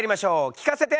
聞かせて！